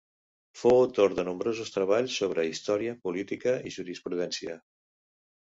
Fou autor de nombrosos treballs sobre història, política i jurisprudència.